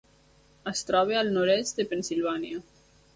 Es troba al nord-est de Pennsilvània.